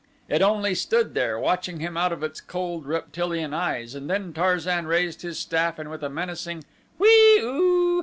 It only stood there, watching him out of its cold, reptilian eyes and then Tarzan raised his staff and with a menacing "Whee oo!"